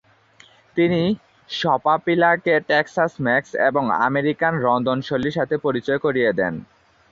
তিনি সপাপিলাকে টেক্সাস-মেক্স এবং আমেরিকান রন্ধনশৈলীর সাথে পরিচয় করিয়ে দেন।